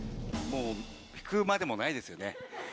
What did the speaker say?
もう引くまでもないですよね。